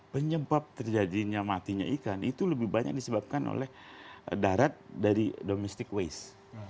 penyebab terjadinya matinya ikan itu lebih banyak disebabkan oleh darat dari domestic waste